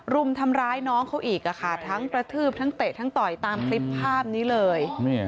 รุมทำร้ายน้องเขาอีกทั้งกระทืบทั้งเตะทั้งต่อยตามคลิปภาพนี้เลย